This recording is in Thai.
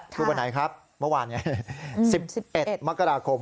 ก็คือวันไหนครับเมื่อวานเนี่ย